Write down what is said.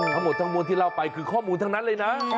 ทั้งหมดทั้งมวลที่เล่าไปคือข้อมูลทั้งนั้นเลยนะ